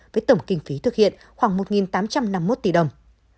với tổng kinh phí thực hiện khoảng một tám trăm năm mươi một tỷ đồng